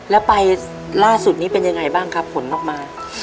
แล้วไปล่าสุดนี้เป็นยังไงบ้างครับผลออกมา